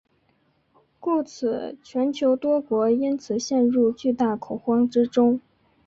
故此全球多国因此陷入巨大恐慌之中。